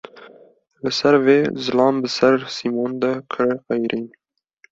Li ser vê, zilam bi ser Sîmon de kire qêrîn.